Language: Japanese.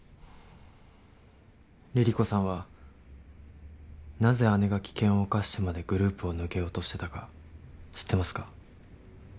凛々子さんはなぜ姉が危険を冒してまでグループを抜けようとしてたか知ってますか？